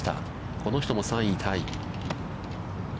この人も３位タイ。